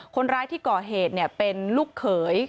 คนร้ายที่ก่อเหตุเป็นลูกเขย